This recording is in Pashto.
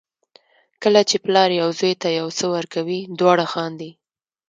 کله چې پلار یو زوی ته یو څه ورکوي دواړه خاندي.